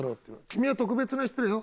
君は特別な人だよ